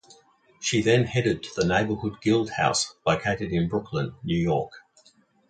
She then headed the Neighborhood Guild House located in Brooklyn, New York.